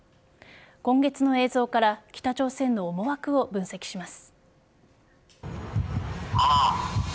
今月の映像から北朝鮮の思惑を分析します。